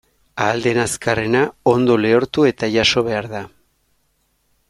Ahal den azkarrena ondo lehortu eta jaso behar da.